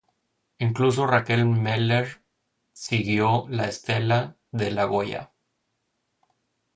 Incluso Raquel Meller siguió la estela de La Goya.